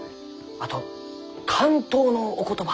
あと巻頭のお言葉。